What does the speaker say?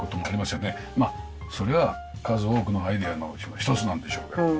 それは数多くのアイデアのうちの一つなんでしょうけど。